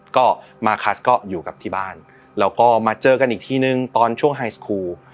ก็มาคัสก็อยู่กับที่บ้านแล้วก็มาเจอกันอีกทีนึงตอนช่วงไฮสคูล